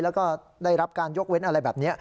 แล้วก็ได้รับการยกเว้นอะไรแบบนี้